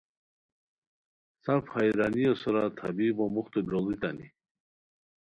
سف حیرانیو سورا طبیبو موختو لوڑیتانی